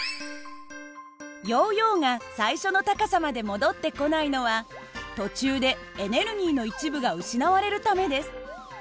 ヨーヨーが最初の高さまで戻ってこないのは途中でエネルギーの一部が失われるためです。